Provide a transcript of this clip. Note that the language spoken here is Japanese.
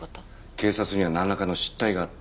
警察にはなんらかの失態があった。